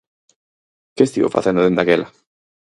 Que estivo facendo dende aquela?